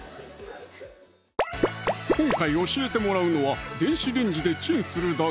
今回教えてもらうのは電子レンジでチンするだけ！